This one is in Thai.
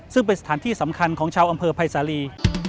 ซึ่งเป็นสถานที่สำคัญของชาวอำเภอภัยสาลี